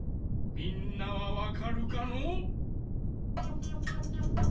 みんなはわかるかのう？